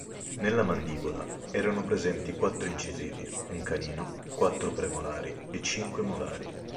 Nella mandibola erano presenti quattro incisivi, un canino, quattro premolari e cinque molari.